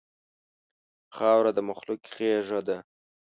خاوره د مخلوق غېږه ده.